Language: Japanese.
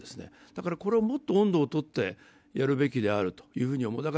だから、これをもっと音頭を取ってやるべきであると思います。